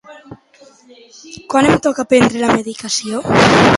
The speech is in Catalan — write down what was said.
Quan em toca prendre la medicació?